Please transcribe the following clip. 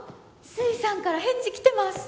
粋さんから返事来てます。